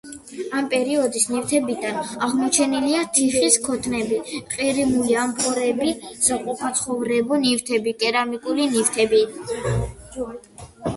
ამ პერიოდის ნივთებიდან აღმოჩენილია: თიხის ქოთნები, ყირიმული ამფორები, საყოფაცხოვრებო ნივთები, კერამიკული ნივთები.